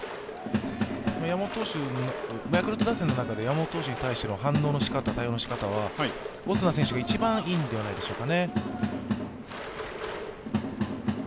ヤクルト打線に対して、山本投手の反応のしかた、対応のしかたは、オスナ選手が一番いいんではないでしょうか。